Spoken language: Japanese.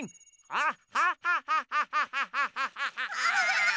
あっ！